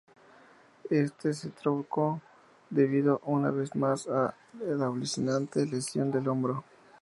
Este se truncó debido una vez más a la acuciante lesión del hombro.